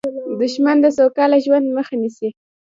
دښمن د سوکاله ژوند مخه نیسي